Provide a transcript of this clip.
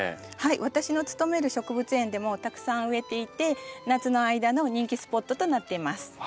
私の勤める植物園でもたくさん植えていて夏の間の人気スポットとなっています。